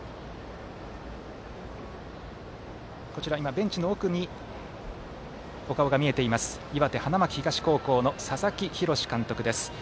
ベンチの奥にお顔が見えています岩手、花巻東高校の佐々木洋監督です。